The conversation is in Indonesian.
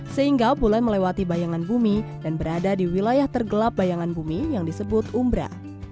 sehingga bule melewati bayangan bumi dan berada di wilayah tergelap bayangan bumi yang disebut umbra